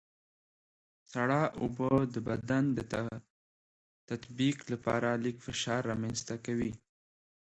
سړه اوبه د بدن د تطبیق لپاره لږ فشار رامنځته کوي.